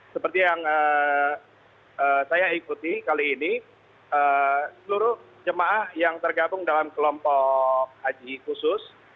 seperti yang saya ikuti kali ini seluruh jemaah yang tergabung dalam kelompok haji khusus